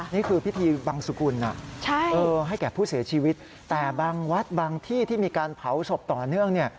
นี่คือพิธีบังสุกุลให้แก่ผู้เสียชีวิตแต่บางวัดบางที่ที่มีการเผาศพต่อเนื่อง